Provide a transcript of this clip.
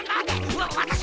うわ！